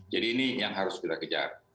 jadi ini yang harus kita kejar